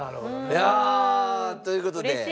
いやという事で。